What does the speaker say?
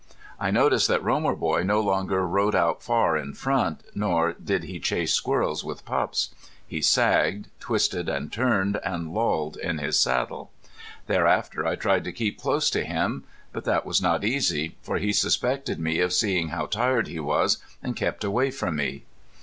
I noticed that Romer boy no longer rode out far in front, nor did he chase squirrels with Pups. He sagged, twisted and turned, and lolled in his saddle. Thereafter I tried to keep close to him. But that was not easy, for he suspected me of seeing how tired he was, and kept away from me.